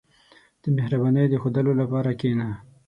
• د مهربانۍ د ښوودلو لپاره کښېنه.